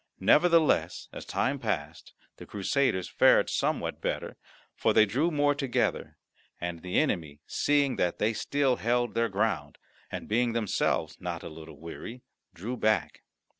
Nevertheless as time passed the Crusaders fared somewhat better, for they drew more together, and the enemy, seeing that they still held their ground, and being themselves not a little weary, drew back.